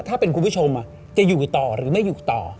ถ้าเป็นคุณผู้ชมจะอยู่ต่อหรือไม่อยู่ต่อ